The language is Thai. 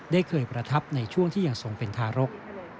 ได้เคยประทับในช่วงที่ยังทรงเป็นทารก